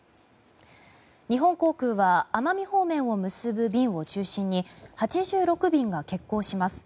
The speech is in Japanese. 日本航空は奄美方面を結ぶ便を中心に８６便が欠航します。